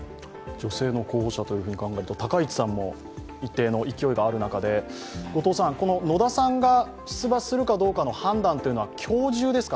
女性の候補者と考えると高市さんも一定の勢いがある中で野田さんが出馬するかどうかの判断は今日中ですか？